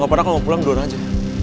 gak pernah mau pulang dua orang aja